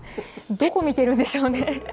どこ見てるんでしょうね。